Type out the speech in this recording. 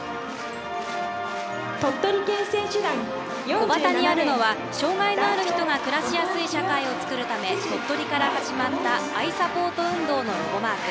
小旗にあるのは障害のある人が暮らしやすい社会を作るため鳥取から始まったあいサポート運動のロゴマーク。